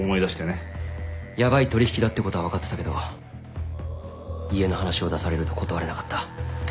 ヤバい取引だってことは分かってたけど家の話を出されると断れなかった。